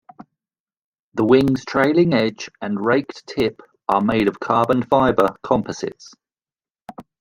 The wing's trailing edge and raked tip are made of carbon-fiber composites.